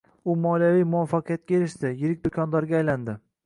U moliyaviy muvaffaqiyatga erishdi, yirik do`kondorga aylandi